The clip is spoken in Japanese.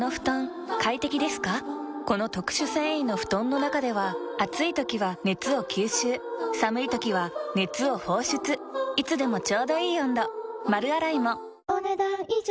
この特殊繊維の布団の中では暑い時は熱を吸収寒い時は熱を放出いつでもちょうどいい温度丸洗いもお、ねだん以上。